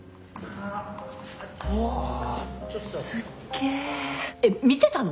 おすっげえっ見てたの？